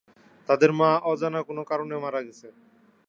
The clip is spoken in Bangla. তাদের মা অজানা কোন কারণে মারা গেছে।